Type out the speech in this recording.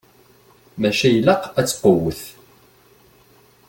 Maca ilaq ad tqewwet.